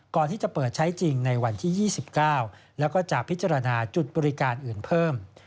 ก่อนที่จะเปิดใช้จริงในวันที่๒๙แล้วก็จะพิจารณาจุดบริการอื่นเพิ่ม